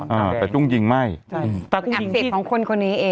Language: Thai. อ่าแต่กุ้งยิงไม่จัยแต่ตรงอักเสบของคนคนนี้เอง